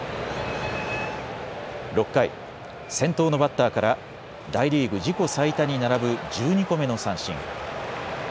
６回、先頭のバッターから大リーグ自己最多に並ぶ１２個目の三振。